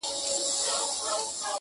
• که کتل یې چي مېړه یې یک تنها دی ,